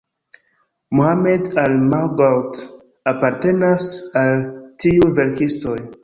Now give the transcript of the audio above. Mohamed Al-Maghout apartenas al tiuj verkistoj.